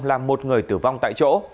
làm một người tử vong tại chỗ